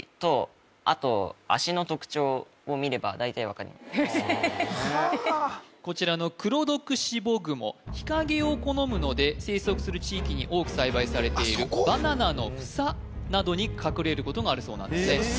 浅利くんもね問題出てすぐすごいこちらのクロドクシボグモ日陰を好むので生息する地域に多く栽培されているバナナの房などに隠れることがあるそうなんですね